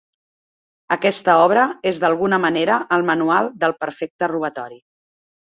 Aquesta obra és d'alguna manera el manual del perfecte robatori.